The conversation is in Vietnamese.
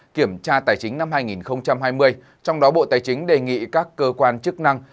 kiểm tra tài chính năm hai nghìn hai mươi trong đó bộ tài chính đề nghị các cơ quan chức năng